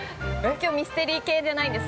きょうはミステリー系じゃないんです。